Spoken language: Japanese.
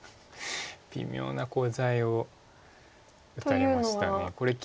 微妙なコウ材を打たれました。